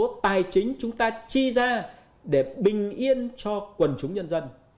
con số tài chính chúng ta chi ra để bình yên cho quần chúng nhân dân